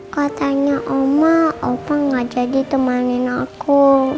kau tanya oma opa gak jadi temanin aku